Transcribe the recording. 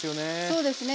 そうですね。